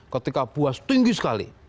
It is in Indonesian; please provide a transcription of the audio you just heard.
ketika buas tinggi sekali